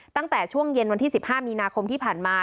ตั้งแต่ช่วงเย็นวันที่๑๕มีนาคมที่ผ่านมา